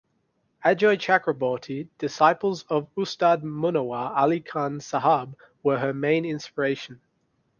Ajoy Chakraborty disciples of Ustad Munawar Ali Khan Sahab were her main inspiration.